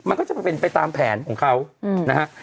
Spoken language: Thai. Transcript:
มันก็จะเป็นไปตามแผนของเขานะฮะ